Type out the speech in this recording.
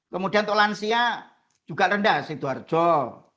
kemudian tolansia juga rendah sidoarjo gerse